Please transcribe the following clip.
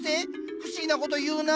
不思議なこと言うな。